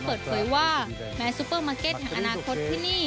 เปิดเผยว่าแม้ซูเปอร์มาร์เก็ตแห่งอนาคตที่นี่